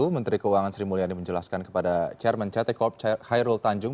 menteri keuangan sri mulyani menjelaskan kepada chairman ct corp hairul tanjung